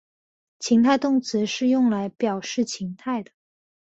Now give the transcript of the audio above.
情态动词是用来表示情态的。